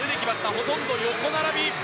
ほとんど横並び。